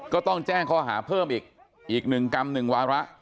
ก็ต้องแจ้งเขาหาเพิ่มอีก๑กรรม๑วาระ